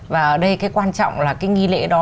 và ở đây cái quan trọng là cái nghi lễ đó